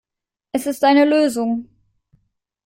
Es ist eine Lösung.